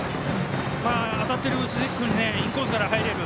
当たっている鈴木君にインコースから入れる。